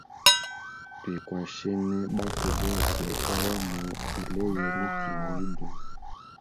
Twikwashene batwe bose ohamo tuleye mitima yibi.